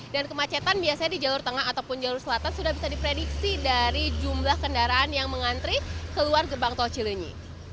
dan kemacetan biasanya di jalur tengah ataupun jalur selatan sudah bisa diprediksi dari jumlah kendaraan yang mengantri keluar gerbang tol cilinyi